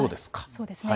そうですね。